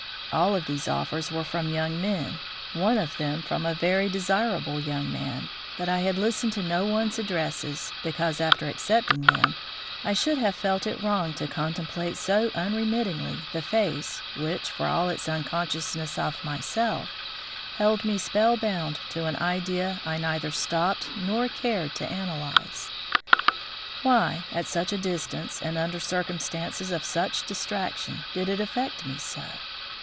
All of these offers were from young men; one of them from a very desirable young man, but I had listened to no one's addresses, because, after accepting them, I should have felt it wrong to contemplate so unremittingly the face, which, for all its unconsciousness of myself, held me spell bound to an idea I neither stopped nor cared to analyze. Why, at such a distance and under circumstances of such distraction, did it affect me so?